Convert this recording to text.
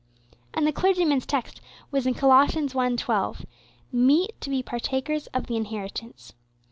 And the clergyman's text was in Colossians 1:12, "Meet to be partakers of the inheritance."